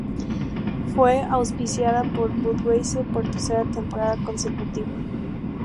Fue auspiciada por Budweiser por tercera temporada consecutiva.